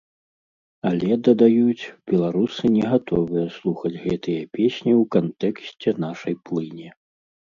Але, дадаюць, беларусы не гатовыя слухаць гэтыя песні ў кантэксце нашай плыні.